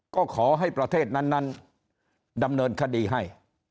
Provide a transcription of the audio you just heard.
ก็ขอให้ประเทศนั้นดำเนินคดีให้